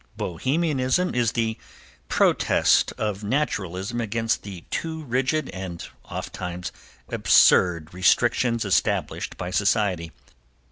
Bohemianism is the protest of naturalism against the too rigid, and, oft times, absurd restrictions established by Society.